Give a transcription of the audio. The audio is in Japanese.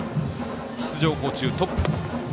出場校中、トップ。